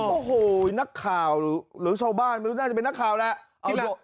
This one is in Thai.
โอ้โหนักข่าวหรือชาวบ้านไม่รู้น่าจะเป็นนักข่าวแหละ